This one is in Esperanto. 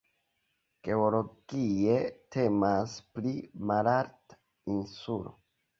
Geologie temas pri malalta insulo.